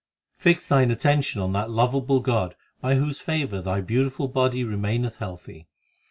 3 Fix thine attention on that lovable God By whose favour thy beautiful body remaineth healthy.